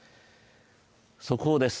速報です。